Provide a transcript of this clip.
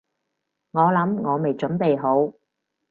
我諗我未準備好